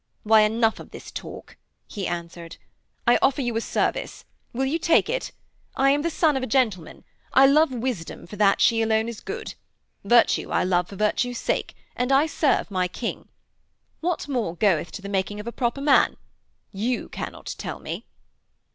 'Why, enough of this talk,' he answered. 'I offer you a service, will you take it? I am the son of a gentleman: I love wisdom for that she alone is good. Virtue I love for virtue's sake, and I serve my King. What more goeth to the making of a proper man? You cannot tell me.'